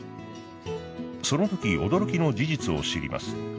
そのとき驚きの事実を知ります。